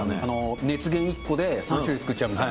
熱源１個で３種類作っちゃうみたいな。